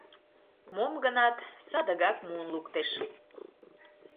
Мом-гынат садыгак муын луктеш.